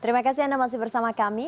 terima kasih anda masih bersama kami